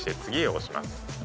押します。